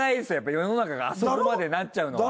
世の中があそこまでなっちゃうのが。